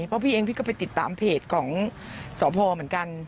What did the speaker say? เพราะพี่เองพี่ก็ไปติดตามเพจของสพเหมือนกัน